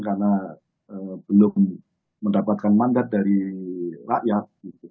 karena belum mendapatkan mandat dari rakyat